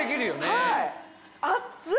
はい。